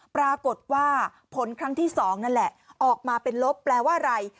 ปรากฏว่าผลครั้งที่๒นั่นแหละออกมาเป็นลบแปลว่าอะไร